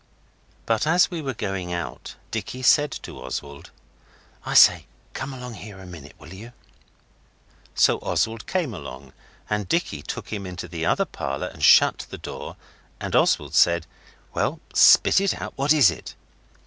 But as we were going out Dicky said to Oswald 'I say, come along here a minute, will you?' So Oswald came along, and Dicky took him into the other parlour and shut the door, and Oswald said 'Well, spit it out: what is it?